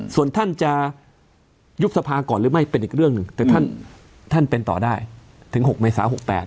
ส่วนท่านจะยุบสภาก่อนหรือไม่เป็นอีกเรื่องหนึ่งแต่ท่านเป็นต่อได้ถึง๖เมษา๖๘